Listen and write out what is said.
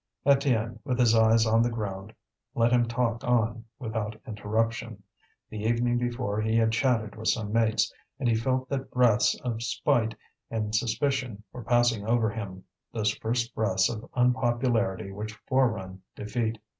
Étienne with his eyes on the ground let him talk on without interruption. The evening before he had chatted with some mates, and he felt that breaths of spite and suspicion were passing over him, those first breaths of unpopularity which forerun defeat.